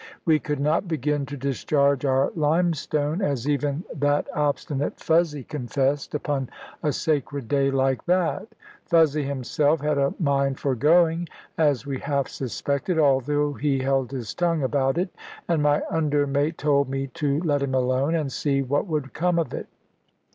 We could not begin to discharge our limestone, as even that obstinate Fuzzy confessed, upon a sacred day like that. Fuzzy himself had a mind for going, as we half suspected, although he held his tongue about it; and my under mate told me to let him alone, and see what would come of it.